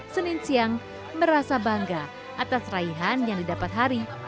senin siang merasa bangga atas raihan yang didapat hari